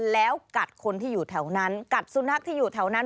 แล้วกัดคนที่อยู่แถวนั้นกัดสุนัขที่อยู่แถวนั้น